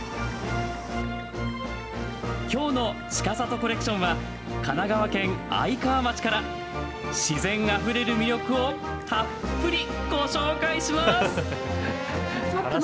きょうのちかさとコレクションは神奈川県愛川町から自然あふれる魅力をたっぷりご紹介します。